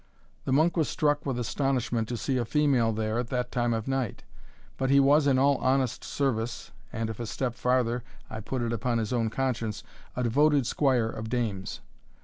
The monk was struck with astonishment to see a female there at that time of night. But he was, in all honest service, and if a step farther, I put it upon his own conscience, a devoted squire of dames.